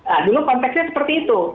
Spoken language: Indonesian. nah dulu konteksnya seperti itu